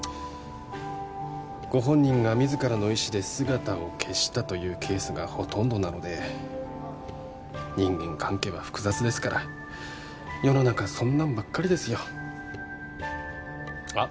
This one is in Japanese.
ご本人が自らの意志で姿を消したというケースがほとんどなので人間関係は複雑ですから世の中そんなんばっかりですよあっ